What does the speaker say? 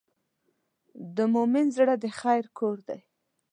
د مؤمن زړه د خیر کور دی.